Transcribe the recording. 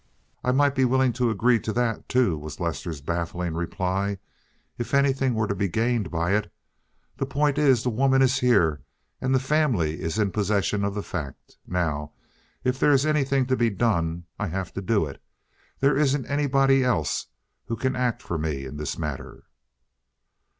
"I might be willing to agree to that, too," was Lester's baffling reply, "if anything were to be gained by it. The point is, the woman is here, and the family is in possession of the fact. Now if there is anything to be done I have to do it. There isn't anybody else who can act for me in this matter."